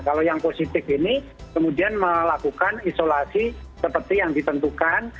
kalau yang positif ini kemudian melakukan isolasi seperti yang ditentukan